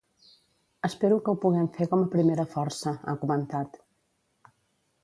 Espero que ho puguem fer com a primera força, ha comentat.